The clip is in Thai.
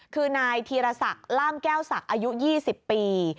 คือนายธีรศักดิ์ล่ามแก้วศักดิ์อายุ๒๐ปี